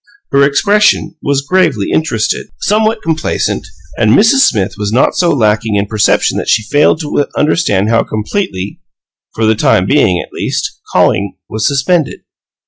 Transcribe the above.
Her expression was gravely interested, somewhat complacent; and Mrs. Smith was not so lacking in perception that she failed to understand how completely for the time being, at least calling was suspended.